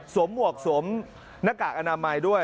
หมวกสวมหน้ากากอนามัยด้วย